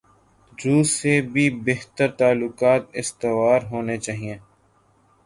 روس سے بھی بہتر تعلقات استوار ہونے چائیں۔